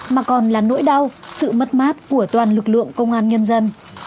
mà còn là nỗi đau sự mất mát của toàn lực lượng công an nhân dân